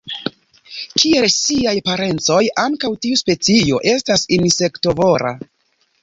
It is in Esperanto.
Kiel siaj parencoj, ankaŭ tiu specio estas insektovora.